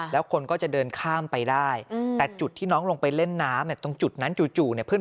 แล้วคนก็จะเดินข้ามไปได้แต่จุดที่น้องลงไปเล่นน้ำตรงจุดนั้นจู่เนี่ยเพื่อน